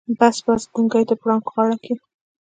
بس بس ګونګي ته پړانګ غار کې.